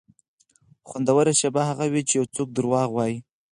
خوندوره شېبه هغه وي چې یو څوک دروغ وایي.